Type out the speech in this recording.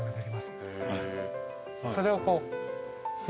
それをこう。